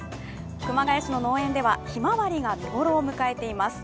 熊谷市の農園ではひまわりが見頃を迎えています。